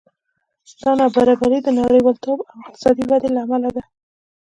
دا نابرابري د نړیوالتوب او اقتصادي ودې له امله ده